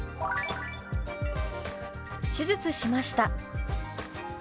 「手術しました」。